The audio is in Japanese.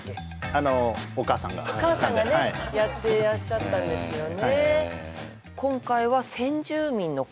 あのお母さんがお母さんがねやってらっしゃったんですよね